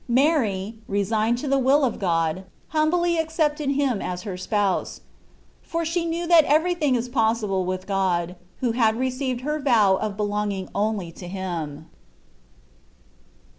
Mary, resigned to the will of God, humbly accepted him as her spouse, for she knew that everything is possible with God, who had received her vow of belonging only to Him.